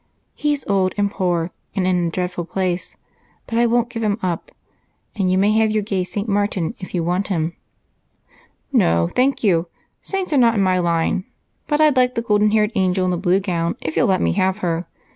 He's old and poor, and in a dreadful place, but I won't give him up, and you may have your gay St. Martin if you want him." "No, thank you, saints are not in my line but I'd like the golden haired angel in the blue gown if you'll let me have her.